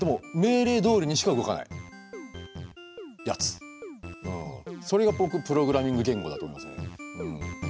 ではそれが僕プログラミング言語だと思いますね。